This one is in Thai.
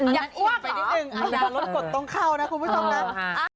อยากอั้กเห็นไปทักษะอายุหนารวมกดตรงเข้านะคุณผู้ชม